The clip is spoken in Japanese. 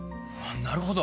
なるほど。